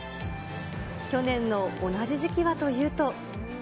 去年の同じ時期はというと。